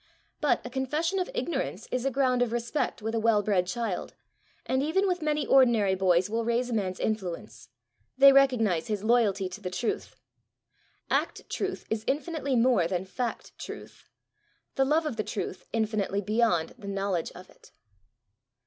But a confession of ignorance is a ground of respect with a well bred child, and even with many ordinary boys will raise a man's influence: they recognize his loyalty to the truth. Act truth is infinitely more than fact truth; the love of the truth infinitely beyond the knowledge of it.